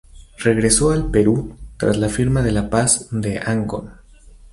Regresó al Perú tras la firma de la paz de Ancón.